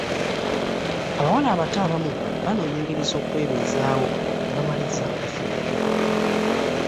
Abawala abato abamu banoonya engeri z'okwebeezaawo ne bamaliriza nga bafunye embuto.